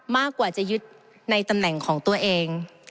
มากกว่าจะยึดในตำแหน่งของตัวเอง